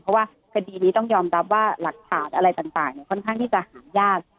เพราะว่าคดีนี้ต้องยอมรับว่าหลักฐานอะไรต่างค่อนข้างที่จะหายาก